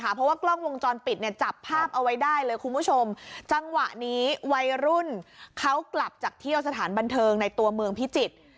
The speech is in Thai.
เพราะว่ากล้องวงจรปิดเนี่ยจับภาพเอาไว้ได้เลยคุณผู้ชมจังหวะนี้วัยรุ่นเขากลับจากเที่ยวสถานบันเทิงในตัวเมืองพิจิตร